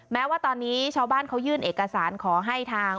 แม้ว่าตอนนี้ชาวบ้านเขายื่นเอกสารขอให้ทาง